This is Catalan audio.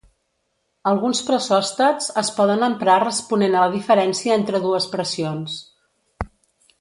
Alguns pressòstats es poden emprar responent a la diferència entre dues pressions.